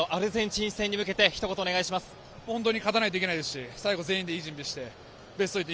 次のアルゼンチン戦に向けてひと言お願いします。